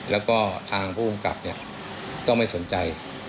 แล้วก็ทางผู้กลับเนี่ยก็ไม่สนใจ